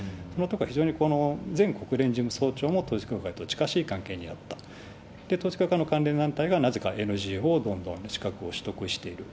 非常にこの前国連事務総長も統一教会と近しい関係にあった、統一教会の関連団体がなぜかＮＧＯをどんどん資格を取得している。